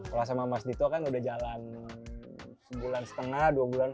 kalau sama mas dito kan udah jalan sebulan setengah dua bulan